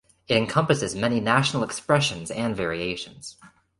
It encompasses many national expressions and variations.